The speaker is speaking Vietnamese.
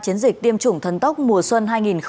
chiến dịch tiêm chủng thần tốc mùa xuân hai nghìn hai mươi